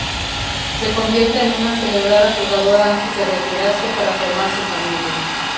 Se convierte en un celebrada jugadora antes de retirarse para formar su familia.